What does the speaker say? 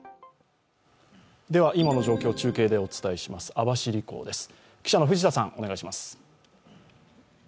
今の状況を中継でお伝えします、網走港です。